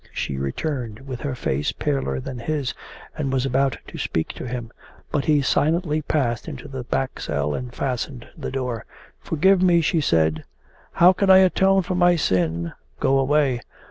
She returned with her face paler than his and was about to speak to him, but he silently passed into the back cell and fastened the door. 'Forgive me!' she said. 'How can I atone for my sin?' 'Go away.